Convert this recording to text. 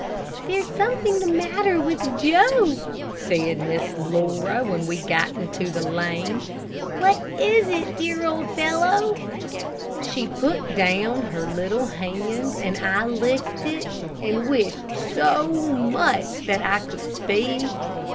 "There's something the matter with Joe," said Miss Laura, when we got into the lane. "What is it, dear old fellow?" She put down her little hand, and I licked it, and wished so much that I could speak.